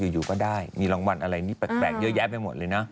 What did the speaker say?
อยู่ก็ได้มีรางวัลอะไรนี่แปลกเยอะแยะไปหมดเลยนะ